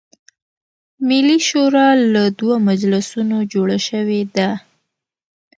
ملي شورا له دوه مجلسونو جوړه شوې ده.